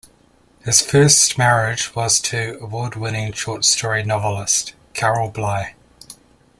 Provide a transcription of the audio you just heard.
His first marriage was to award-winning short story novelist Carol Bly.